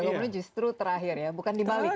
agung ini justru terakhir ya bukan dibalik ya